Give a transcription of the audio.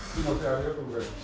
ありがとうございます。